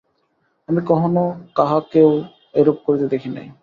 আমি কখনও কাহাকেও এরূপ করিতে দেখি নাই।